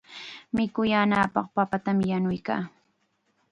Mikuyaananpaq papatam yanuykan.